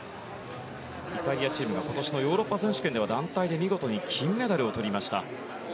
イタリアチームが今年のヨーロッパ選手権では見事に金メダルをとりました。